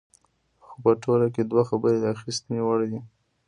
خو په ټوله کې دوه خبرې د اخیستنې وړ دي.